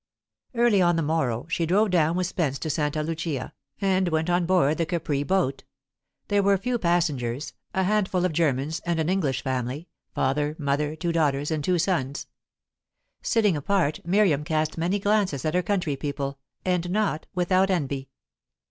Early on the morrow, she drove down with Spence to Santa Lucia, and went on board the Capri boat. There were few passengers, a handful of Germans and an English family father, mother, two daughters, and two sons Sitting apart, Miriam cast many glances at her country people, and not without envy.